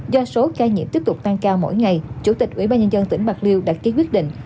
do số ca nhiễm tiếp tục tăng cao mỗi ngày chủ tịch ubnd tỉnh bạc liêu đã ký quyết định